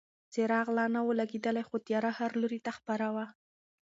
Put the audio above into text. څراغ لا نه و لګېدلی خو تیاره هر لوري ته خپره وه.